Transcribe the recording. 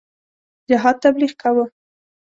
جهاد تبلیغ کاوه.